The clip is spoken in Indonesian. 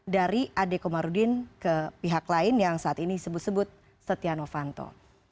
dari ade komarudin ke pihak lain yang saat ini sebut sebut setia novanto